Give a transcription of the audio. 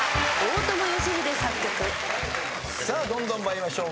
どんどん参りましょう。